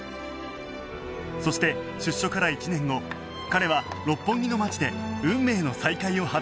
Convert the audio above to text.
そして出所から１年後彼は六本木の街で運命の再会を果たす